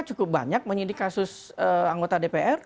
cukup banyak menyidik kasus anggota dpr